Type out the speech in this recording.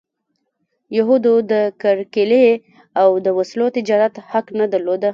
یهودو د کرکیلې او د وسلو تجارت حق نه درلود.